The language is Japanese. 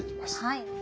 はい。